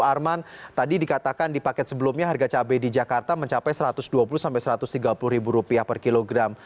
arman tadi dikatakan di paket sebelumnya harga cabai di jakarta mencapai rp satu ratus dua puluh sampai rp satu ratus tiga puluh per kilogram